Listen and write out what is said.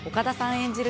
演じる